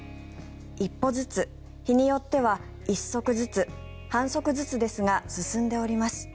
一歩ずつ、日によっては一足ずつ、半足ずつですが進んでおります。